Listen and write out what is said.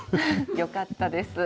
よかったです。